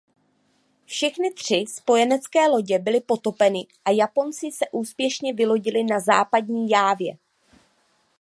Všechny tři spojenecké lodě byly potopeny a Japonci se úspěšně vylodili na západní Jávě.